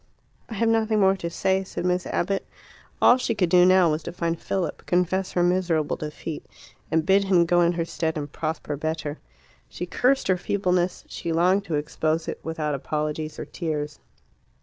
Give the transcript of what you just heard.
"I have nothing more to say," said Miss Abbott. All she could do now was to find Philip, confess her miserable defeat, and bid him go in her stead and prosper better. She cursed her feebleness; she longed to expose it, without apologies or tears.